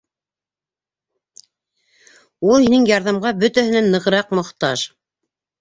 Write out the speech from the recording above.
Ул һинең ярҙамға бөтәһенән нығыраҡ мохтаж.